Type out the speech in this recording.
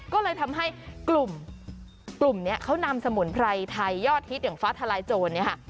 ก็เลยทำให้กลุ่มนี้เขานำสมุนไพรไทยยอดฮิตอย่างฟ้าทลายโจรเนี่ยค่ะ